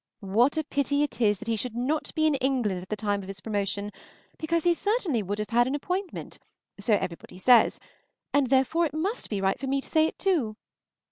What a pity it is that he should not be in England at the time of this promotion, because he certainly would have had an appointment, so everybody says, and therefore it must be right for me to say it too.